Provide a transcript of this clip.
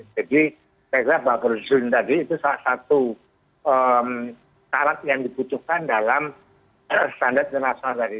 jadi tegaklah buffer zone tadi itu salah satu tarat yang dibutuhkan dalam standar internasional tadi